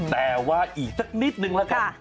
แต่ว่าอีกสักนิดนึงแล้วกัน